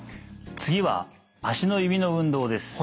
次は足の指の運動です。